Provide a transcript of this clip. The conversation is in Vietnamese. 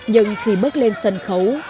nhưng khi bước lên sân khấu